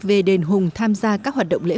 về đền hùng tham gia các hoạt động lễ hội